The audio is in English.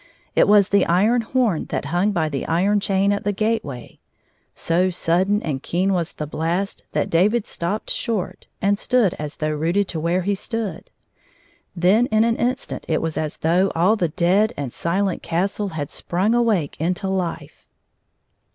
It was the iron horn that hung by the iron chain at the gateway ; so sudden and keen was the blast that David stopped short and stood as though rooted to where he stood. Then in an instant it was as though all the dead and silent castle had sprung awake into life.